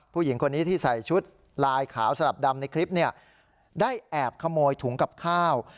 ผู้หญิงคนนี้ที่ใส่ชุดลายขาวสลับดำในคลิปเนี่ยได้แอบขโมยถุงกับข้าว